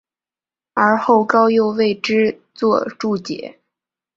而后高诱为之作注解。